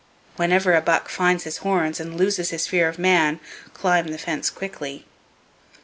Whenever a buck finds his horns and loses his fear of man, climb the fence quickly.